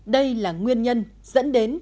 đây là nguyên nhân dẫn đến tình trạng đào tạo